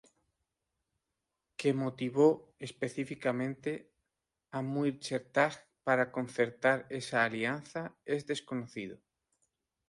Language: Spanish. Que motivó específicamente a Muirchertach para concertar esa alianza es desconocido.